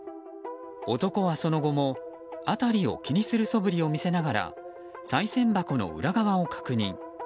男はその後も、辺りを気にするそぶりを見せながらさい銭箱の裏側を確認。